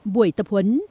buổi tập huấn